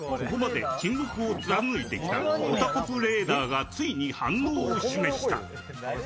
ここまで沈黙を貫いてきたおたこぷーレーダーがついに反応を示した。